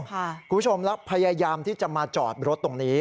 คุณผู้ชมพยายามมาจะจอดรถตรงนี้